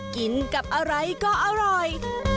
กินกับอะไรก็อร่อย